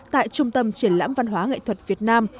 tại trung tâm triển lãm văn hóa nghệ thuật việt nam